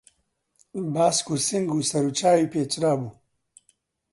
باسک و سنگ و سەر و چاوی پێچرابوو